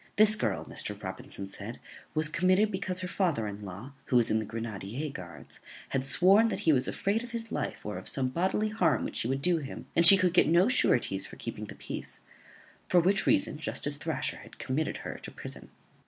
This girl, Mr. Robinson said, was committed because her father in law, who was in the grenadier guards, had sworn that he was afraid of his life, or of some bodily harm which she would do him, and she could get no sureties for keeping the peace; for which reason justice Thrasher had committed her to prison.